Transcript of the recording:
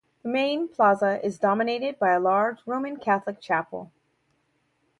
The main plaza is dominated by a large Roman Catholic Chapel.